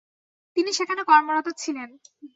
তিনি সেখানে কর্মরত ছিলেন।